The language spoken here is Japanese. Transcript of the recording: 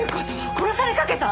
殺されかけた。